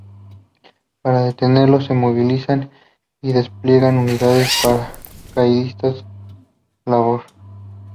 Para detenerlo se movilizan y despliegan unidades paracaidista Labor.